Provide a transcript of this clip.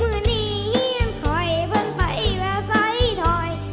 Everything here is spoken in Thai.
มือนี้มันคอยเพิ่งไปแพร่ไซท์ทอย